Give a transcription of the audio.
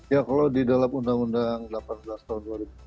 ya kalau di dalam undang undang delapan belas tahun dua ribu dua puluh